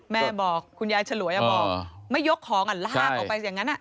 แม่บอกคุณยายฉลวยบอกไม่ยกของลากออกไปอย่างนั้น